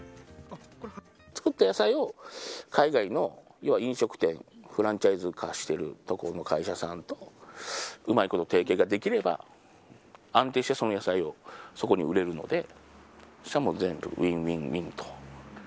作った野菜を海外の飲食店フランチャイズ化しているところの会社さんとうまいこと提携ができれば安定して、その野菜をそこに売れるので全部ウィンウィン。